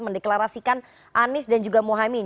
mendeklarasikan anies dan juga mohaimin